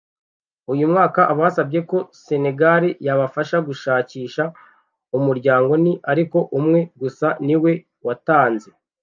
Uyu mwaka abasabye ko cnlg yabafasha gushakisha umuryango ni ariko umwe gusa niwe watanze